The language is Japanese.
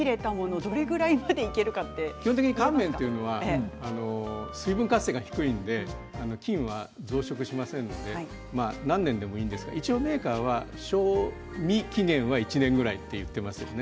どれぐらいまでいけるかと麺は基本的に水分活性が低いので菌が増殖しませんので何年でもいいんですが一応メーカーは賞味期限は１年ぐらいと言っています。